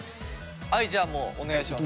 はいじゃあもうお願いします。